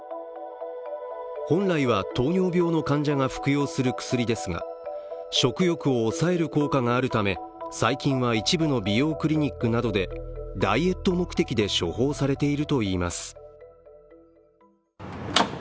本来は糖尿病の患者が服用する薬ですが、食欲を抑える効果があるため最近は一部の美容クリニックなどでダイエット目的で処方されているといいます。